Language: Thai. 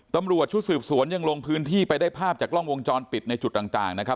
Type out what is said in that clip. ตำรวจชุดสืบสวนยังลงพื้นที่ไปได้ภาพจากกล้องวงจรปิดในจุดต่างนะครับ